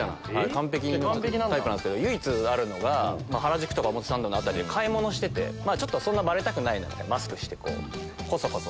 完璧なタイプなんすけど唯一あるのが原宿とか表参道の辺りで買い物しててそんなバレたくなくてマスクしてコソコソ。